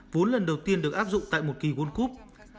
vốn lần đầu tiên được áp dụng tại một kỳ world cup